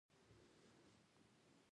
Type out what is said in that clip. ایا ستاسو عضلات قوي نه دي؟